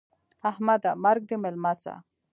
احمده! مرګ دې مېلمه سه.